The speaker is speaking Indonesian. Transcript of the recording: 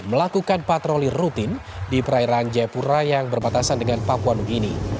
melakukan patroli rutin di perairan jayapura yang berbatasan dengan papua nugini